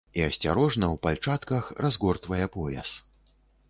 І асцярожна, у пальчатках, разгортвае пояс.